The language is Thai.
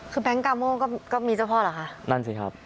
คือแบงค์กาโม่ก็มีเจ้าพ่อเหรอคะนั่นสิครับ